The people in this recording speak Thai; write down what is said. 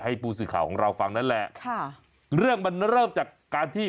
ผู้สื่อข่าวของเราฟังนั่นแหละค่ะเรื่องมันเริ่มจากการที่